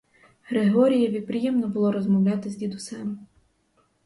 Григорієві приємно було розмовляти з дідусем.